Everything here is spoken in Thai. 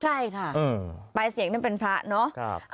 ใช่ค่ะปลายเสียงนี่เป็นพระเนอะ